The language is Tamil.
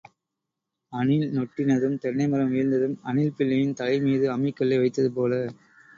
அணில் நொட்டினதும் தென்னமரம் வீழ்ந்ததும், அணில் பிள்ளையின் தலை மீது அம்மிக் கல்லை வைத்தது போல.